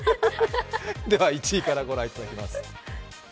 では、１位からご覧いただきます。